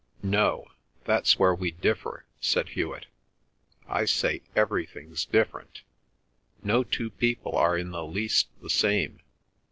"No; that's where we differ," said Hewet. "I say everything's different. No two people are in the least the same.